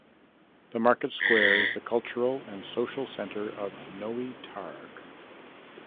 The Market Square is the cultural and social center of Nowy Targ.